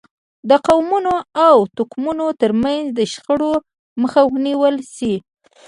د قومونو او توکمونو ترمنځ د شخړو مخه ونیول شي.